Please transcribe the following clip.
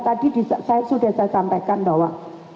tadi sudah saya sampaikan bahwa